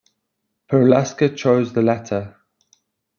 Perlasca chose the latter.